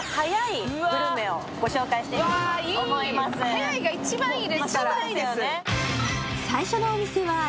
早いが一番いいですから。